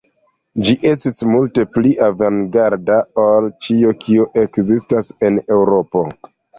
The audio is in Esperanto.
Ĝi estis multe pli avangarda ol ĉio, kio ekzistis en Eŭropo.